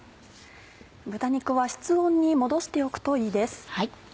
豚肉は室温に戻しておくといいです。